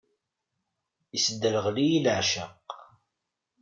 Isderɣel-iyi leɛceq.